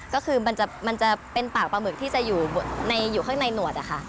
ก็คือมันจะเป็นปากปลาหมึกที่จะอยู่ข้างในหนวดอะค่ะ